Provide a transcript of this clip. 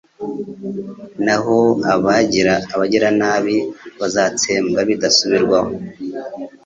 Naho abagiranabi bazatsembwa bidasubirwaho